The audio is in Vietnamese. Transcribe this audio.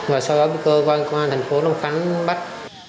và sau đó tôi gọi công an tp long khánh bắt